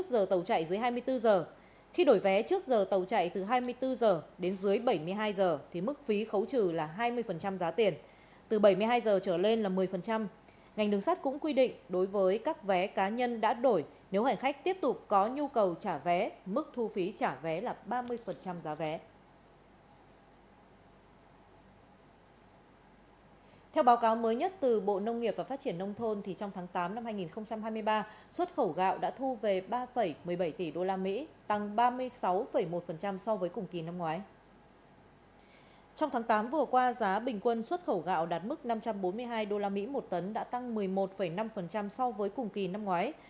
giá vừa qua giá bình quân xuất khẩu gạo đạt mức năm trăm bốn mươi hai usd một tấn đã tăng một mươi một năm so với cùng kỳ năm ngoái